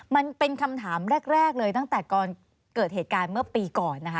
มันเป็นคำถามแรกเลยตั้งแต่ก่อนเกิดเหตุการณ์เมื่อปีก่อนนะคะ